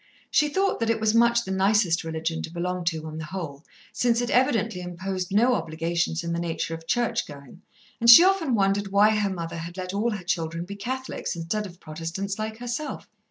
She thought that it was much the nicest religion to belong to, on the whole, since it evidently imposed no obligations in the nature of church going, and she often wondered why her mother had let all her children be Catholics, instead of Protestants like herself.